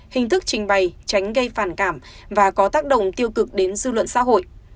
hình thức trình bày tránh gây phản cảm và có tác động tiêu cực đến dư luận xã hội